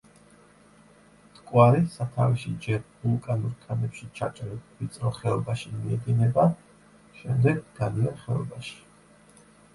მტკვარი სათავეში ჯერ ვულკანურ ქანებში ჩაჭრილ ვიწრო ხეობაში მიედინება, შემდეგ განიერ ხეობაში.